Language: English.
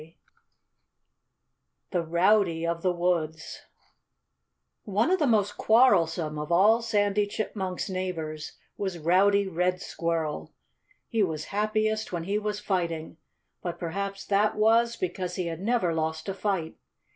XV THE ROWDY OF THE WOODS One of the most quarrelsome of all Sandy Chipmunk's neighbors was Rowdy Red Squirrel. He was happiest when he was fighting. But perhaps that was because he had never lost a fight.